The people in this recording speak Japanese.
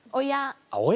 親。